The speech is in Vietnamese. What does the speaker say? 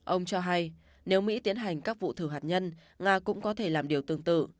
ông cho hay nếu mỹ tiến hành các vụ thử hạt nhân nga cũng có thể làm điều tương tự